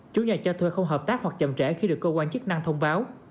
chủ nhà cho thuê không hợp tác hoặc chậm trễ khi được cơ quan chức năng thông báo